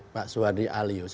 pak suwadi alius